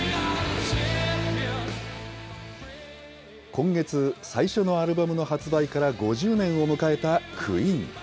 今月、最初のアルバムの発売から５０年を迎えたクイーン。